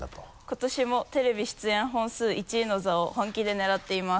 「今年もテレビ出演本数１位の座を本気で狙っています。」